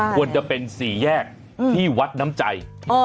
ควรจะเป็นสี่แยกที่วัดน้ำใจ